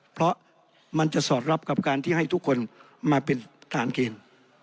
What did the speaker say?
เพราะมันจะสอดรับกับการที่ให้ทุกคนมาเป็นทหารเกณฑ์